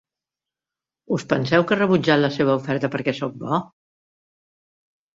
Us penseu que he rebutjat la seva oferta perquè soc bo?